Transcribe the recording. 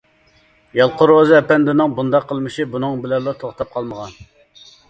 يالقۇن روزى ئەپەندىنىڭ بۇنداق قىلمىشى بۇنىڭ بىلەنلا توختاپ قالمىغان.